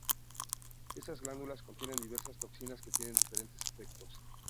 Estas glándulas contienen diversas toxinas que tienen diferentes efectos.